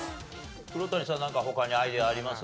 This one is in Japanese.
黒谷さんなんか他にアイデアあります？